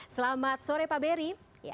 selamat sore pak beri